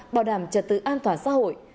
bảo đảm trật tự an toàn xã hội